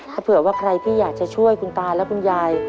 ถ้าเผื่อว่าใครที่อยากจะช่วยคุณตาและคุณยาย